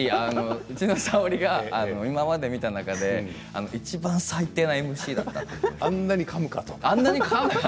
うちのＳａｏｒｉが今まで見た中で、いちばん最低なあんなに、かむかと。